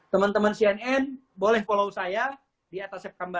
dan akhirnya bisa ikuti saya di atas web saya